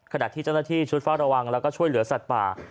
ขณะที่เจ้าหน้าที่ชุดเฝ้าระวังแล้วก็ช่วยเหลือสัตว์ป่า